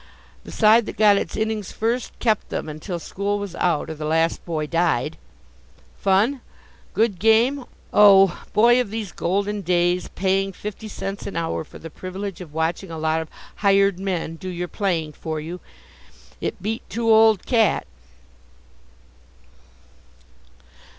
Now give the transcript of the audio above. The side that got its innings first kept them until school was out or the last boy died. Fun? Good game? Oh, boy of these golden days, paying fifty cents an hour for the privilege of watching a lot of hired men do your playing for you it beat two old cat."